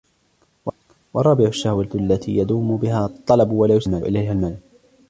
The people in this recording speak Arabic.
وَالرَّابِعُ الشَّهْوَةُ الَّتِي يَدُومُ بِهَا الطَّلَبُ وَلَا يُسْرِعُ إلَيْهِ الْمَلَلُ